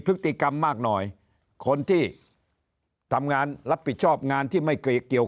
พฤติกรรมมากหน่อยคนที่ทำงานรับผิดชอบงานที่ไม่เกี่ยว